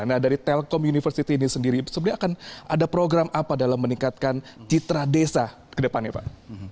nah dari telkom university ini sendiri sebenarnya akan ada program apa dalam meningkatkan citra desa ke depannya pak